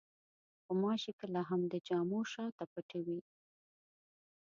غوماشې کله هم د جامو شاته پټې وي.